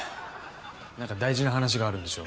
何か大事な話があるんでしょ？